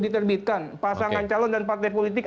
diterbitkan pasangan calon dan partai politik